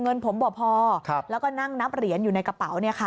เงินผมบ่พอแล้วก็นั่งนับเหรียญอยู่ในกระเป๋า